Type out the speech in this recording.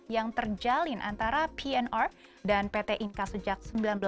yang terjalin antara pnr dan pt inka sejak seribu sembilan ratus sembilan puluh